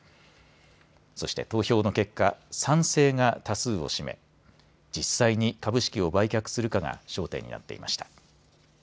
そして投票の結果、賛成が多数を占め、実際に株式を売却するかが焦点になっていました。